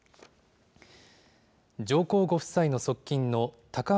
上皇ご夫妻の側近の高橋